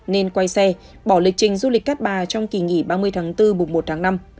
nên quay xe bỏ lịch trình du lịch cát bà trong kỳ nghỉ ba mươi tháng bốn mùng một tháng năm